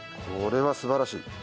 これは素晴らしい。